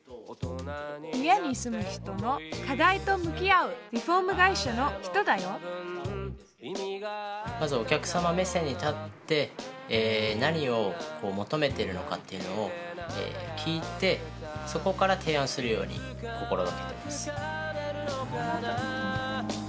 家に住む人の課題と向き合うリフォーム会社の人だよまずお客様目線に立って何を求めてるのかっていうのを聞いてそこから提案するように心がけてます。